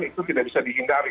itu tidak bisa dihindari